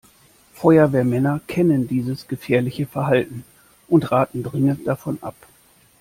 Feuerwehrmänner kennen dieses gefährliche Verhalten und raten dringend davon ab.